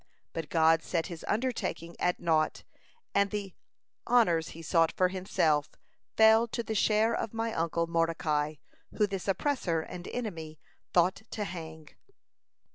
But God set his undertaking at naught, and the honors he sought for himself, fell to the share of my uncle Mordecai, who this oppressor and enemy thought to hang."